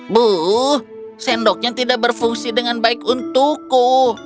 bu sendoknya tidak berfungsi dengan baik untukku